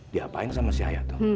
diapain sama si hayato